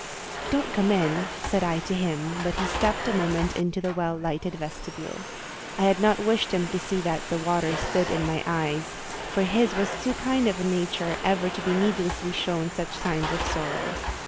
"Don't come in," said I to him; but he stepped a moment into the well lighted vestibule. I had not wished him to see that "the water stood in my eyes," for his was too kind a nature ever to be needlessly shown such signs of sorrow.